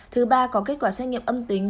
thứ ba có kết quả sách nghiệm âm tính